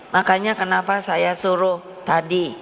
makanya kenapa saya suruh tadi